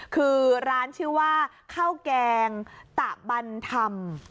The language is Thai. คือร้านชื่อว่าข้าวแกงตะบันธรรม